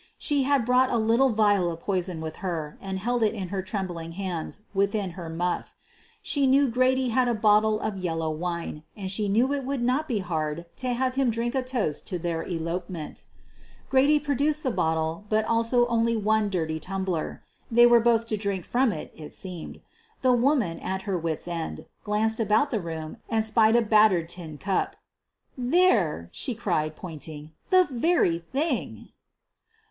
She had brought a little vial of poison with her and held it in trembling fingers within her muff. She knew Grady had a bottle of yellow wine, and she knew it would not be hard to have him drink a toast to their elope ment. Grady produced the bottle but also only one dirty I tumbler. They were both to drink from that, it seemed. The woman, at her wits' ends, glanced about the room and spied a battered tin cup. "There," she cried, pointing, "the very thing."